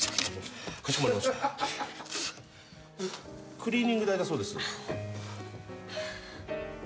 「クリーニング代」だそうです。